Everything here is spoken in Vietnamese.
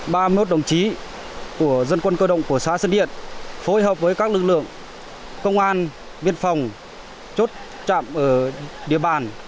chúng tôi đồng chí của dân quân cơ động của xã sơn điện phối hợp với các lực lượng công an viên phòng chốt chạm ở địa bàn